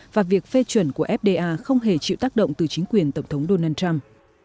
và việc phê chuẩn của fda không hề chịu tác động từ chính quyền tổng thống donald trump